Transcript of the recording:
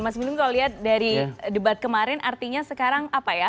mas minum kalau lihat dari debat kemarin artinya sekarang apa ya